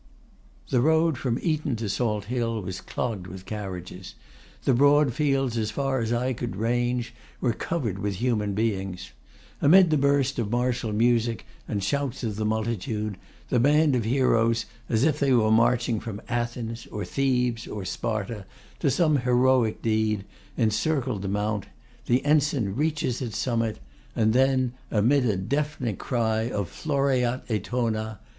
The road from Eton to Salt Hill was clogged with carriages; the broad fields as far as eye could range were covered with human beings. Amid the burst of martial music and the shouts of the multitude, the band of heroes, as if they were marching from Athens, or Thebes, or Sparta, to some heroic deed, encircled the mount; the ensign reaches its summit, and then, amid a deafening cry of 'Floreat Etona!